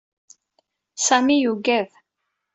Sami yuggad.